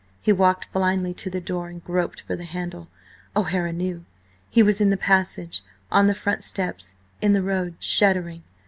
He walked blindly to the door, and groped for the handle. ... O'Hara knew! He was in the passage, on the front steps, in the road, shuddering.